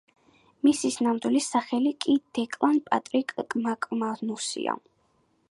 მისის ნამდვილი სახელი კი დეკლან პატრიკ მაკმანუსია.